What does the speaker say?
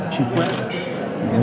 trên quốc gia